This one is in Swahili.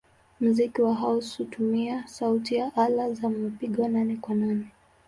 Muziki wa house hutumia sauti ya ala za mapigo nane-kwa-nane.